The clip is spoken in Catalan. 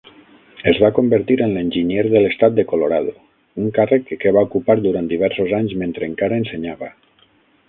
Es va convertir en l'enginyer de l'estat de Colorado, un càrrec que va ocupar durant diversos anys mentre encara ensenyava.